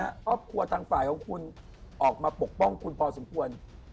ครอบครัวทางฝ่ายของคุณออกมาปกป้องคุณพอสมควร